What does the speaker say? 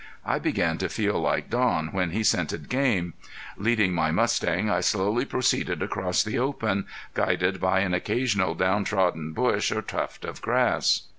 I began to feel like Don when he scented game. Leading my mustang I slowly proceeded across the open, guided by an occasional down trodden bush or tuft of grass.